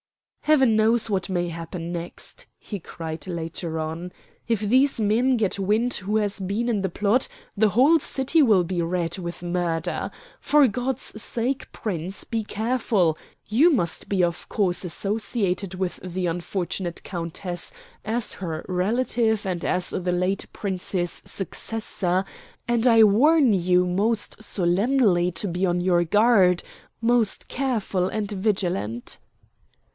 "Heaven knows what may happen next," he cried later on. "If these men get wind who has been in the plot, the whole city will be red with murder. For God's sake, Prince, be careful. You must be of course associated with the unfortunate countess as her relative and as the late Prince's successor, and I warn you most solemnly to be on your guard, most careful and vigilant."